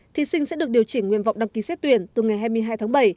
thí sinh sẽ được điều chỉnh nguyện vọng đăng ký xét tuyển từ ngày hai mươi hai tháng bảy